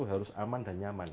harus aman dan nyaman